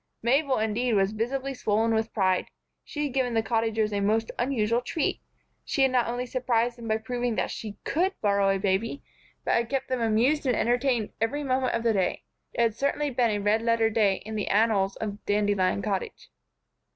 Mabel, indeed, was visibly swollen with pride. She had given the Cottagers a most unusual treat. She had not only surprised them by proving that she could borrow a baby, but had kept them amused and entertained every moment of the day. It had certainly been a red letter day in the annals of Dandelion Cottage.